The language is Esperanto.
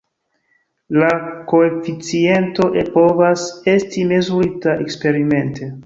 La koeficiento povas esti mezurita eksperimente.